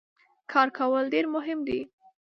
کار کول ډیر مهم دي.